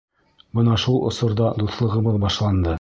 Бына шул осорҙа дуҫлығыбыҙ башланды.